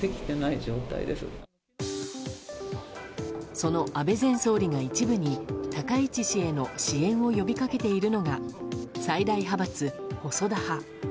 その安倍前総理が、一部に高市氏への支援を呼び掛けているのが最大派閥・細田派。